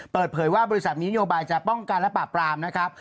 เปิดเผยว่าบริษัทมีนโยบายจะป้องกันและปราบปรามนะครับ